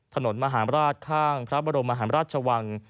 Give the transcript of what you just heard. ถนนมหาลาศข้างพระบรมราชวัง